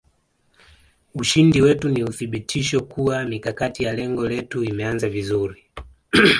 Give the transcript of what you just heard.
Ushindi wetu ni uthibitisho kuwa mikakati ya lengo letu imeanza vizuri